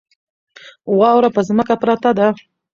واوره په ځمکه پرته ده.